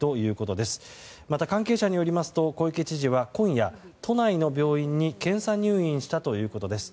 また、関係者によりますと小池知事は今夜、都内の病院に検査入院したということです。